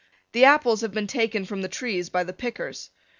The apples have been taken from the trees by the pickers.